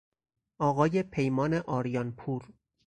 آقای پیمان آریانپور